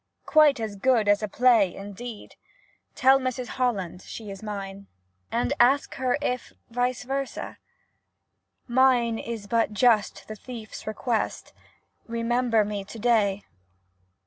*■ Quite as good as a play,' indeed ! Tell Mrs Holland she is mine. Ask her if vice versa ? Mine is but just the thiefs request —* Remember me to day.'